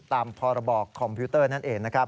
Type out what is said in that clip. ตามพรบอกคอมพิวเตอร์นั่นเอง